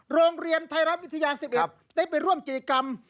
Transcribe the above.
โรงเรียนไทยรัฐวิทยา๑๑ได้ไปร่วมกิจกรรม